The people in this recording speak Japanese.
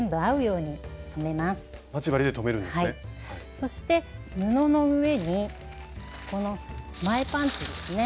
そして布の上にこの前パンツですね。